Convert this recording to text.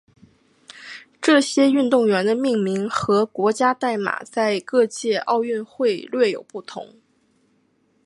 这些运动员的命名和国家代码在各届奥运会略有不同。